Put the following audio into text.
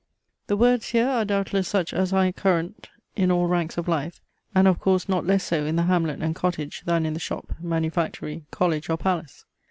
The words here are doubtless such as are current in all ranks of life; and of course not less so in the hamlet and cottage than in the shop, manufactory, college, or palace.